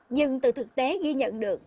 nhưng từ thực tế ghi nhận được